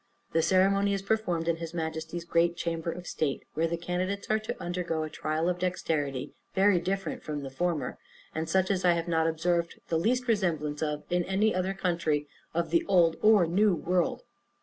The ceremony is performed in his Majesty's great chamber of state, where the candidates are to undergo a trial of dexterity very different from the former, and such as I have not observed the least resemblance of in any other country of the old or new world.